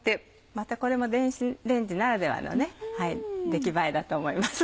またこれも電子レンジならではの出来栄えだと思います。